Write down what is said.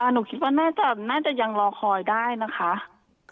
หนูคิดว่าน่าจะยังรอคอยได้นะคะ